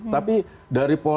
tapi dari polri